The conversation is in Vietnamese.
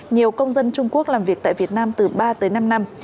nhiều công dân trung quốc làm việc tại việt nam từ ba tới năm năm